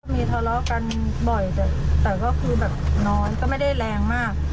มีทะเลาะกันบ่อยแต่ก็คือแบบนอนก็ไม่ได้แรงมาก